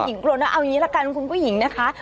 กลัวนะเอาอย่างนี้ละกันคุณผู้หญิงนะคะ